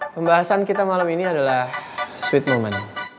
pembahasan kita malam ini adalah sweet moment